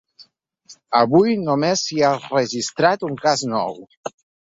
Avui només s’hi ha registrat un cas nou.